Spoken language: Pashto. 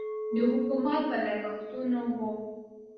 د حکومت په لګښتونو و.